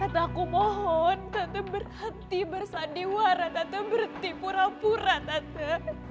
tante aku mohon tante berhenti bersandiwara tante berhenti pura pura tante